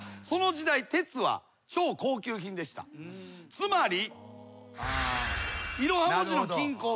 つまり。